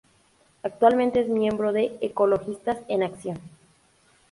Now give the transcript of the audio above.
Actualmente es miembro de Ecologistas en Acción.